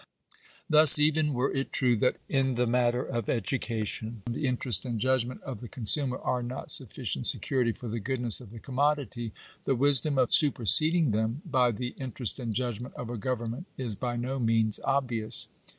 Thus, even were it true that in the matter of education " the interest and judgment of the consumer are not sufficient security for the goodness of the commodity," the wisdom of superseding them by the "interest and judgment" of a govern ment is by no means obvious.